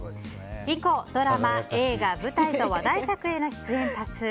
以降、ドラマ、映画、舞台と話題作への出演多数。